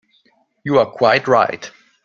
You are quite right.